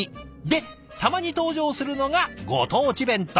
でたまに登場するのがご当地弁当。